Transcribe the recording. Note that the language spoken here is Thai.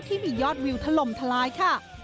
ที่มียอดวิวถล่มทลายค่ะ